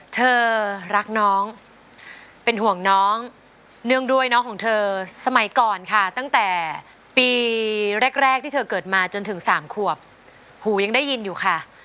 เธอรักน้องเป็นห่วงน้องเนื่องด้วยน้องของเธอสมัยก่อนค่ะตั้งแต่ปีแรกที่เธอเกิดมาจนถึง๓ขวบหูยังได้ยินอยู่ค่ะ